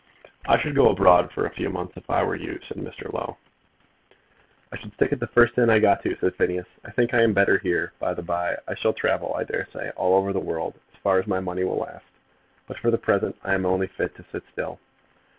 "I should go abroad for a few months if I were you," said Mr. Low. "I should stick at the first inn I got to," said Phineas. "I think I am better here. By and bye I shall travel, I dare say, all over the world, as far as my money will last. But for the present I am only fit to sit still."